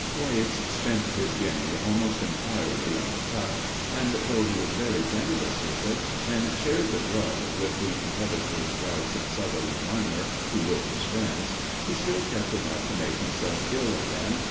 Thwaites spent his guinea almost entirely on tuck, and though he was very generous with it, and shared the grub with the competitors Rice and Sutherland minor, who were his friends, he still kept enough to make himself ill again.